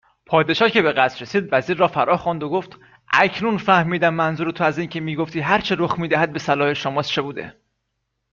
پادشاه که به قصر رسید وزیر را فراخواند و گفت:اکنون فهمیدم منظور تو از اینکه می گفتی هر چه رخ میدهد به صلاح شماست چه بوده